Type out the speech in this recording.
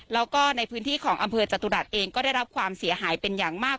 แล้วก็ในพื้นที่ของอำเภอจตุรัสเองก็ได้รับความเสียหายเป็นอย่างมาก